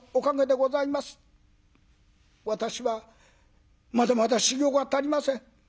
私はまだまだ修業が足りません。